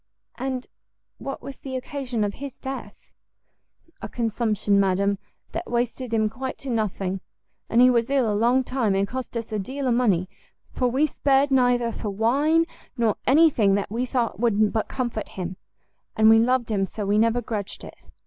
"And what was the occasion of his death?" "A consumption, madam, that wasted him quite to nothing: and he was ill a long time, and cost us a deal of money, for we spared neither for wine nor any thing that we thought would but comfort him; and we loved him so we never grudged it.